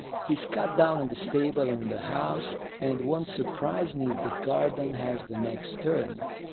He's cut down in the stable and in the house, and it won't surprise me if the garden has the next turn.